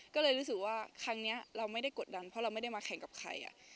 ก็เลยรู้สึกว่าครั้งนี้เราไม่ได้กดดันเพราะเราไม่ได้มาแข่งกับใคร